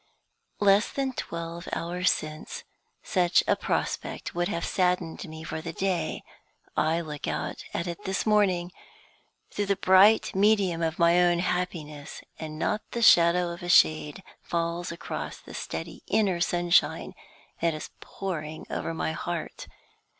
Less than twelve hours since, such a prospect would have saddened me for the day. I look out at it this morning, through the bright medium of my own happiness, and not the shadow of a shade falls across the steady inner sunshine that is poring over my heart.